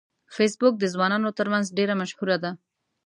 فېسبوک د ځوانانو ترمنځ ډیره مشهوره ده